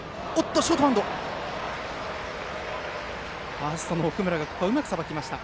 ファーストの奥村がうまくさばきました。